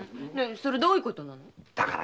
それどういうことなの？